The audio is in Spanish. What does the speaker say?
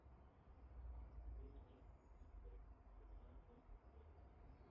La mayoría son epífitas, y algunas son litófitas.